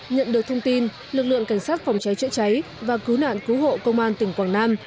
nhận được thông tin lực lượng cảnh sát phòng cháy chữa cháy và cứu nạn cứu hộ công an tỉnh quảng nam